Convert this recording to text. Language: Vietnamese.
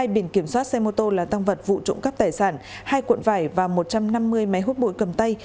hai bình kiểm soát xe mô tô là tăng vật vụ trụng cấp tài sản hai cuộn vải và một trăm năm mươi máy hút bụi cầm tay